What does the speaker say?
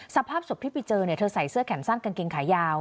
สภาพศพที่ไปเจอเธอใส่เสื้อแขนสั้นกางเกงขายาว